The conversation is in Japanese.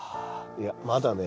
いやまだね